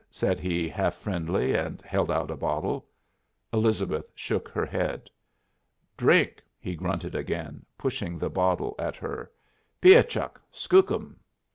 said he, half friendly, and held out a bottle. Elizabeth shook her head. "Drink," he grunted again, pushing the bottle at her. "Piah chuck! Skookurn!"